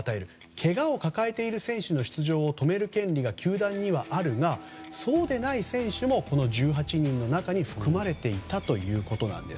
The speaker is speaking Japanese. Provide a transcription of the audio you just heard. けがを抱えている選手の出場を止める権利が球団にはあるがそうでない選手もこの１８人の中に含まれていたということなんです。